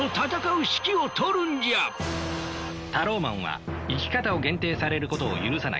タローマンは生き方を限定されることを許さない。